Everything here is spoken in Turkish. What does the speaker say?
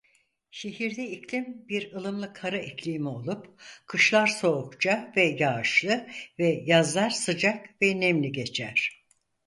Şehirde iklim bir ılımlı kara iklimi olup kışlar soğukça ve yağışlı ve yazlar sıcak ve nemli geçer.